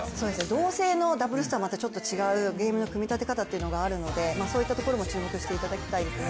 同性のダブルスとはまたちょっと違うおもしろさがあるのでそういったところも注目していただきたいですね。